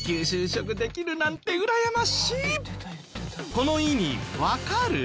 この意味わかる？